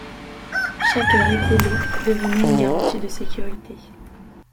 Chaque heure écoulée devenait une garantie de sécurité.